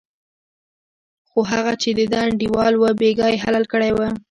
خو هغه چې دده انډیوال و بېګا یې حلال کړی و.